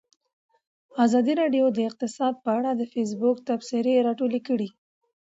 ازادي راډیو د اقتصاد په اړه د فیسبوک تبصرې راټولې کړي.